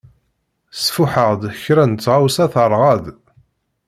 Sfuḥeɣ-d kra n tɣawsa teṛɣa-d.